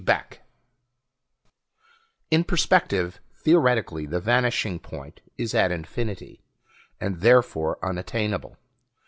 BECK _In perspective, theoretically the vanishing point is at infinity, and therefore unattainable.